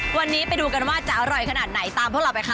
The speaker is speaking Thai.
วันนี้ไปดูกันว่าจะอร่อยขนาดไหนตามพวกเราไปค่ะ